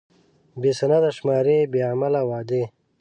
بې سنده شمارې، بې عمله وعدې.